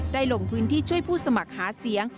ลงพื้นที่ช่วยผู้สมัครหาเสียง